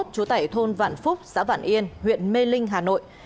chú tải thôn vạn phúc xã vạn yên huyện mê linh hà nội